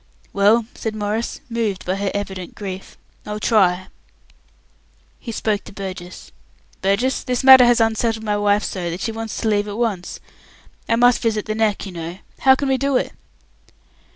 "Well," said Maurice, moved by her evident grief, "I'll try." He spoke to Burgess. "Burgess, this matter has unsettled my wife, so that she wants to leave at once. I must visit the Neck, you know. How can we do it?"